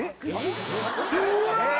うわ！